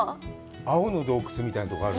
青の洞窟みたいなところがある。